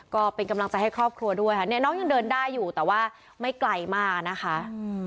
ก็เป็นกำลังใจให้ครอบครัวด้วยค่ะเนี่ยน้องยังเดินได้อยู่แต่ว่าไม่ไกลมากนะคะ